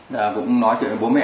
và cũng nói chuyện với bố mẹ